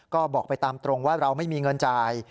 ก็บอกไปตามตรงว่าเราไม่มีเงินจ่าย